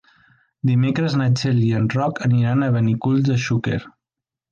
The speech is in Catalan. Dimecres na Txell i en Roc aniran a Benicull de Xúquer.